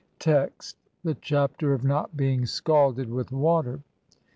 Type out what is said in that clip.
Text : (1) The Chapter of not being scalded with WATER.